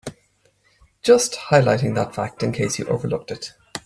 Just highlighting that fact in case you overlooked it.